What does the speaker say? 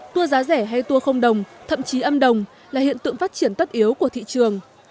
tour giá rẻ hay tour không đồng thậm chí âm đồng là hiện tượng phát triển tất yếu của thị trường